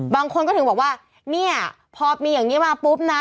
บางคนก็ถึงบอกว่าเนี่ยพอมีอย่างนี้มาปุ๊บนะ